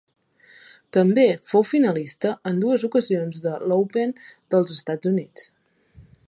També fou finalista en dues ocasions de l'Open dels Estats Units.